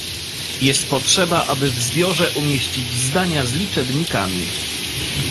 Jest potrzeba aby w zbiorze umieścić zdania z liczebnikami